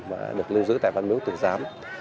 mà được lưu giữ tại văn miễu tường giám